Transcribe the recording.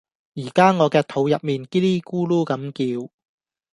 而家我嘅肚入邊 𠼻 咧咕嚕咁叫